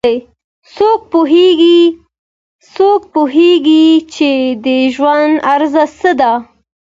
څوک پوهیږي چې د ژوند راز څه ده